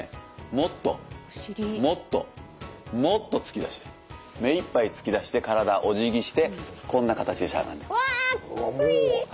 もっともっともっと突き出してめいっぱい突き出して体おじぎしてこんな形でしゃがんで。わきつい！